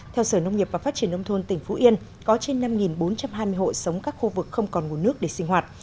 theo sở nông nghiệp và phát triển nông thôn tỉnh phú yên có trên năm bốn trăm hai mươi hộ sống các khu vực không còn nguồn nước để sinh hoạt